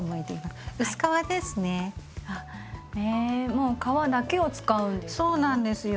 もう皮だけを使うんですか？